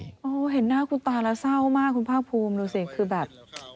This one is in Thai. โอ้โหเห็นหน้าคุณตาแล้วเศร้ามากคุณภาคภูมิดูสิคือแบบ